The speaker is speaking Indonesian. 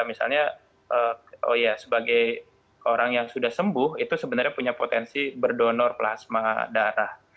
misalnya oh ya sebagai orang yang sudah sembuh itu sebenarnya punya potensi berdonor plasma darah